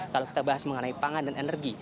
kalau kita bahas mengenai pangan dan energi